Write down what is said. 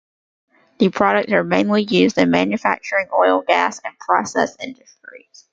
The products are mainly used in the manufacturing, oil, gas and process industries.